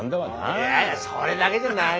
いやいやそれだけじゃないけどさ。